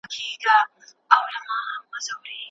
عزتمن ژوند د بنده دپاره لویه ډالۍ ده.